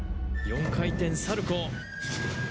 ４回転サルコー